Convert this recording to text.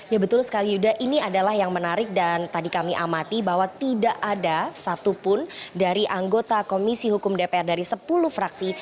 ya betul sekali yuda ini adalah yang menarik dan tadi kami amati bahwa tidak ada satupun dari anggota komisi hukum dpr dari sepuluh fraksi